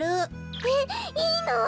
えっいいの？